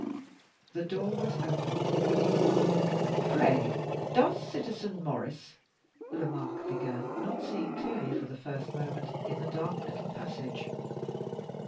The door was opened. "Pray, does the citizen Maurice " Lomaque began, not seeing clearly, for the first moment, in the dark little passage.